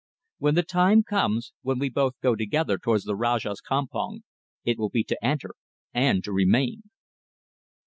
When the time comes; when we both go together towards the Rajah's campong, it will be to enter and to remain."